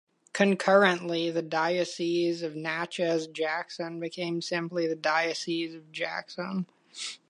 Concurrently, the Diocese of Natchez-Jackson became simply the Diocese of Jackson.